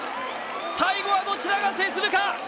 最後はどちらが制するか。